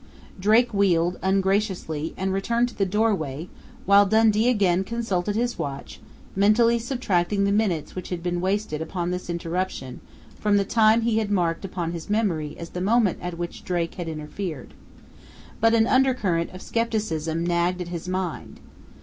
Drake wheeled, ungraciously, and returned to the doorway, while Dundee again consulted his watch, mentally subtracting the minutes which had been wasted upon this interruption, from the time he had marked upon his memory as the moment at which Drake had interfered. But an undercurrent of skepticism nagged at his mind.